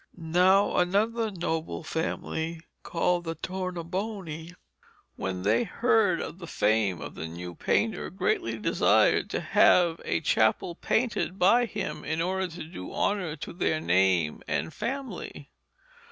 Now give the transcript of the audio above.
Now another noble family, called the Tournabuoni, when they heard of the fame of the new painter, greatly desired to have a chapel painted by him in order to do honour to their name and family.